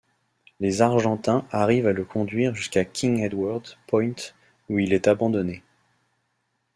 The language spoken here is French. Les Argentins arrivent à le conduire jusqu'à King Edward Point où il est abandonné.